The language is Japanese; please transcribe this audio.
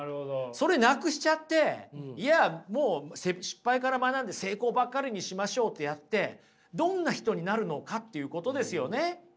それなくしちゃっていやもう失敗から学んで成功ばっかりにしましょうってやってどんな人になるのかっていうことですよね。